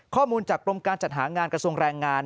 ข้อมูลจากกรมการจัดหางานกระทรวงแรงงาน